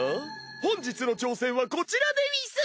本日の挑戦はこちらでうぃす！